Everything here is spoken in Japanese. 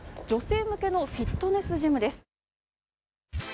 女性向けのフィットネスジムです。